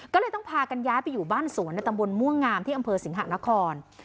ก็เลยต้องพากันย้ายไปอยู่บ้านสวนในตำบลม่วงงามที่อำเภอสิงหะนคร